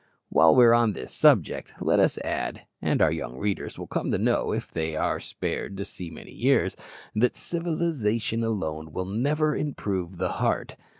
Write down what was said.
While we are on this subject, let us add (and our young readers will come to know it if they are spared to see many years) that civilization alone will never improve the heart.